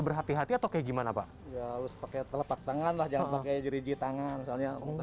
berhati hati atau kayak gimana pak ya us pakai telepak tangan lah jangan pakai jeriji tangan